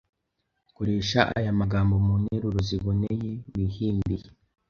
Koresha aya magambo mu nteruro ziboneye wihimbiye